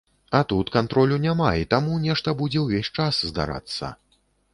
А тут кантролю няма, і таму нешта будзе ўвесь час здарацца.